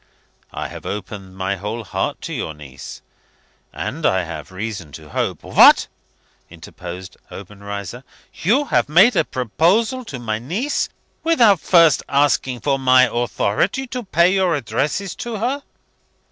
"I have opened my whole heart to your niece. And I have reason to hope " "What!" interposed Obenreizer. "You have made a proposal to my niece, without first asking for my authority to pay your addresses to her?"